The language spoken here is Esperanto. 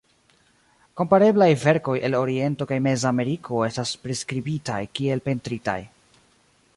Kompareblaj verkoj el Oriento kaj Mezameriko estas priskribitaj kiel pentritaj.